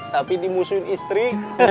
tapi dimusuhin istri